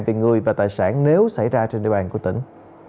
về người và tài sản nếu xảy ra trên địa bàn của tỉnh